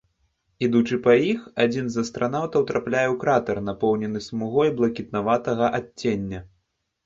Ідучы па іх, адзін з астранаўтаў трапляе у кратар, напоўнены смугой блакітнаватага адцення.